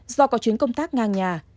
do có chuyến công tác ngang nhà